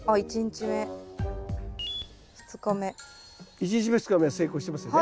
１日目２日目は成功してますよね。